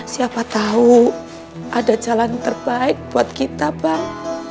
siapa tahu ada jalan terbaik buat kita bang